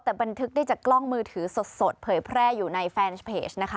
แต่บันทึกได้จากกล้องมือถือสดเผยแพร่อยู่ในแฟนเพจนะคะ